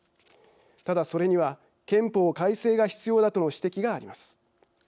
ただ、それには憲法改正が必要だとの指摘があります。